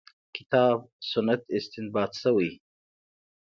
کتاب سنت استنباط شوې.